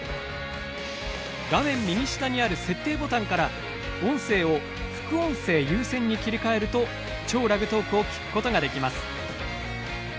画面右下にある設定ボタンから音声を副音声優先に切り替えると＃超ラグトークを聞くことができます。